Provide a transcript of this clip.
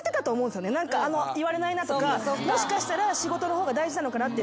言われないなとかもしかしたら仕事の方が大事なのかなって。